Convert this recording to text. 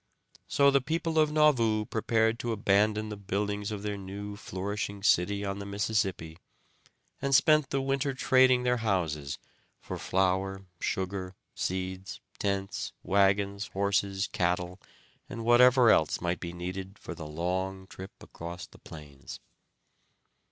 So the people of Nauvoo prepared to abandon the buildings of their new flourishing city on the Mississippi, and spent the winter trading their houses for flour, sugar, seeds, tents, wagons, horses, cattle, and whatever else might be needed for the long trip across the plains.